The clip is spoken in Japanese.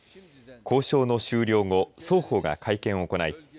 交渉の終了後双方が会見を行い